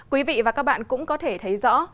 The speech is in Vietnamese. quý vị và các bạn cũng có thể thấy rõ